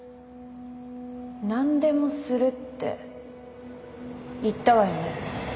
なんでもするって言ったわよね？